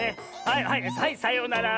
はいはいはいさようなら。